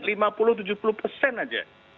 itu kan saja